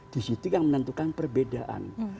disitu yang menentukan perbedaan